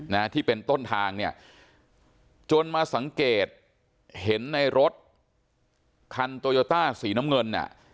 นะที่เป็นต้นทางเนี่ยจนมาสังเกตเห็นในรถคันโตโยต้าสีน้ำเงินน่ะ